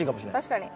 確かに。